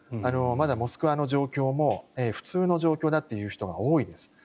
まだモスクワの状況も普通の状況だと言う人が多いです。